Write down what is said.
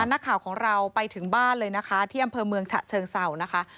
นักข่าวของเราไปถึงบ้านเลยนะคะที่อำเภอเมืองฉะเชิงเศร้านะคะ